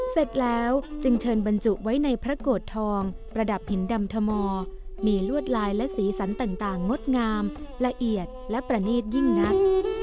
เสร็จแล้วจึงเชิญบรรจุไว้ในพระโกรธทองประดับหินดำธมอมีลวดลายและสีสันต่างงดงามละเอียดและประนีตยิ่งนัก